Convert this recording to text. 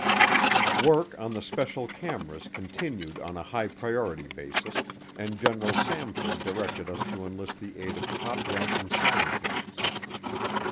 Work on the special cameras continued on a high priority basis, and General Samford directed us to enlist the aid of top ranking scientists.